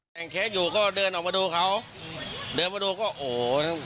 แต่งเค้กอยู่ก็เดินออกมาดูเขาเดินมาดูก็โอ้โห